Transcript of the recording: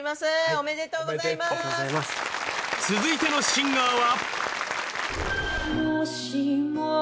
続いてのシンガーは。